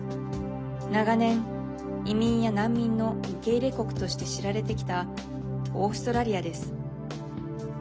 長年、移民や難民の受入国として知られてきたオーストラリアです。